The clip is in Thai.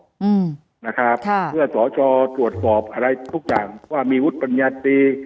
อืมนะครับค่ะเพื่อสอจอตรวจสอบอะไรทุกอย่างว่ามีวุฒิปัญญาตี